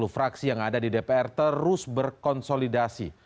sepuluh fraksi yang ada di dpr terus berkonsolidasi